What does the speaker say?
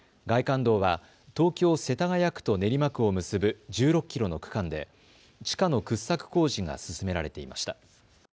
外環道は東京世田谷区と練馬区を結ぶ１６キロの区間で地下の掘削工事が進められていました。